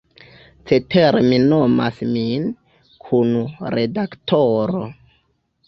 Cetere mi nomas min "kun-redaktoro".